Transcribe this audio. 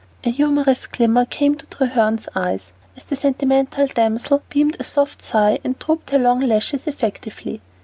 A humorous glimmer came to Treherne's eyes, as the sentimental damsel beamed a soft sigh and drooped her long lashes effectively.